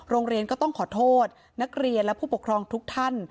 โรงเรียนก็ต้องขอโทษนักเรียนและผู้ปกครองทุกท่าน